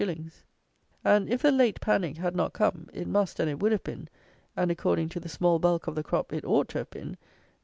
_ And, if the "late panic" had not come, it must and it would have been, and according to the small bulk of the crop, it ought to have been, 150_s.